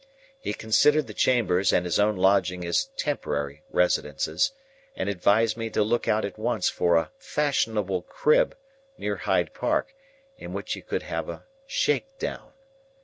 He considered the chambers and his own lodging as temporary residences, and advised me to look out at once for a "fashionable crib" near Hyde Park, in which he could have "a shake down."